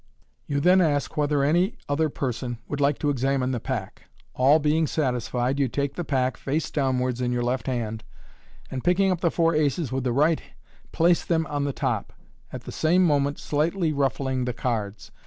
You then ask whether any other person would like to examine the pack. All being satisfied, you take the pack, face downwards, in your left hand, and picking up the four aces with the right, place them on the top, at the same moment slightly ruffling the cards.